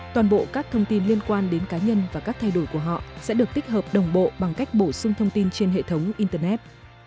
toàn bộ các thông tin liên quan đến cá nhân và các thay đổi của họ sẽ được tích hợp đồng bộ bằng cách bổ sung thông tin trên hệ thống internet